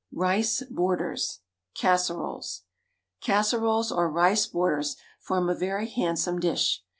RICE BORDERS (CASSEROLES). Casseroles, or rice borders, form a very handsome dish.